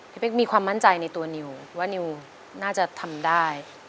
เป๊กมีความมั่นใจในตัวนิวว่านิวน่าจะทำได้